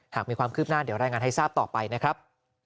หากมีความคืบหน้าเดี๋ยวรายงานให้ทราบต่อไปนะครับ